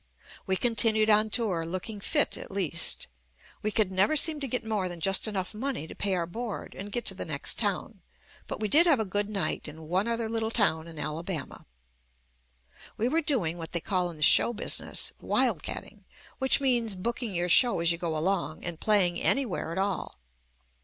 We continued on tour looking fit at least. We could never seem to get more than just enough money to pay our board and get to the next town, but we did have a good night in one other little town in Alabama. We were doing what they call in the show business "Wild Catting," which means booking your show as you go along and playing anywhere at all.